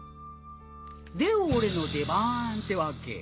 で俺の出番ってわけ。